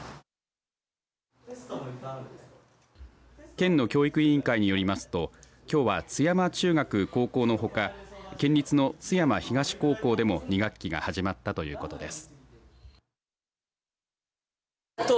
県の教育委員会によりますときょうは津山中学・高校のほか県立の津山東高校でも２学期が始まったということです。